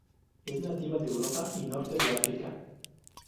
Es nativa de Europa y Norte de África.